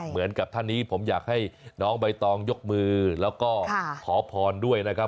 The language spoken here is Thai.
เหมือนกับท่านนี้ผมอยากให้น้องใบตองยกมือแล้วก็ขอพรด้วยนะครับ